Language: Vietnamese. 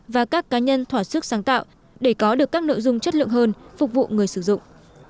và các cá nhân thỏa sức sáng tạo để có được các nội dung chất lượng hơn phục vụ người sử dụng